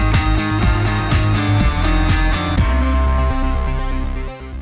ขอบคุณทุกคนครับ